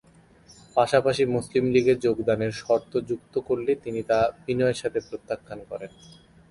পাশাপাশি মুসলিম লীগে যোগদানের শর্ত যুক্ত করলে তিনি তা বিনয়ের সাথে প্রত্যাখ্যান করেন।